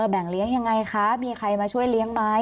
แบ่งเลี้ยงยังไงคะมีใครมาช่วยเลี้ยงไหม